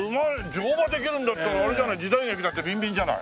乗馬できるんだったらあれじゃない時代劇だってビンビンじゃない。